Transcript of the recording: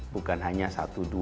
bukan hanya satu